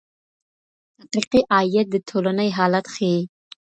حقيقي عايد د ټولني حالت ښيي.